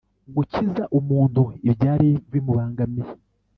Gukiza umuntu ibyari bimubangamiye